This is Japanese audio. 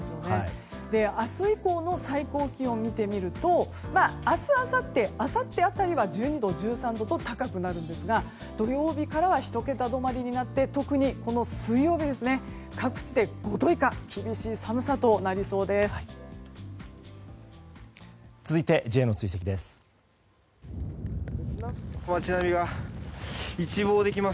明日以降の最高気温を見てみると明日あさって辺りは１２度、１３度と高くなるんですが土曜日からは１桁止まりになって特にこの水曜日、各地で５度以下厳しい寒さとなりそうです。